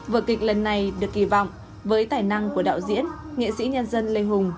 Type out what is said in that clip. vở kịch lần này được kỳ vọng với tài năng của đạo diễn nghệ sĩ nhân dân lê hùng